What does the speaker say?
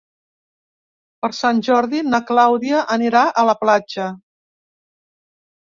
Per Sant Jordi na Clàudia anirà a la platja.